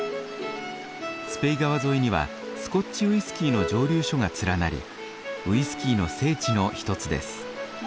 スペイ川沿いにはスコッチウイスキーの蒸留所が連なりウイスキーの聖地の一つです。